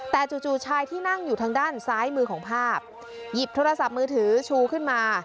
แต่จู่ชายที่นั่งอยู่ทางด้านซ้ายมือของภาพหยิบโทรศัพท์มือถือชูขึ้นมา